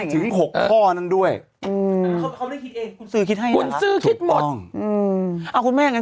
หกพ่อนั้นด้วยอืมคุณซือคิดให้นะคุณซือคิดหมดอืมอ้าวคุณแม่ยัง